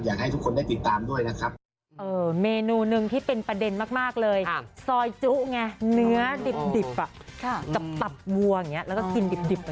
อยากให้ทุกคนได้ติดตามด้วยนะครับ